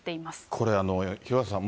これ、廣畑さん、